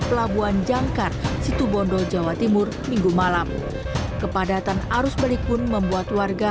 pelabuhan jangkar situbondo jawa timur minggu malam kepadatan arus balik pun membuat warga